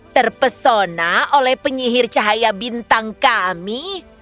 terpesona oleh penyihir cahaya bintang kami